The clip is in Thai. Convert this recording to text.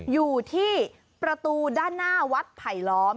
อยู่ที่ประตูด้านหน้าวัดไผลล้อม